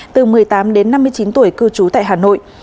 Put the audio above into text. từ một mươi tám đến năm mươi chín tuổi cư trú tại hà nội